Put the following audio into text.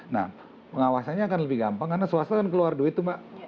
nah pengawasannya akan lebih gampang karena swasta akan keluar duit tuh mbak